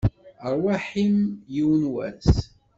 Rrwaḥ-im, yiwen n wass!